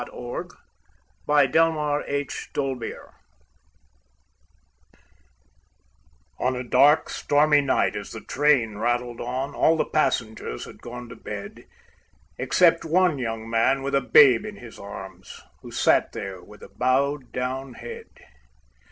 "In the Baggage Coach Ahead" On a dark stormy night, as the train rattled on, All the passengers had gone to bed, Except one young man with a babe in his arms Who sat there with a bowed down head.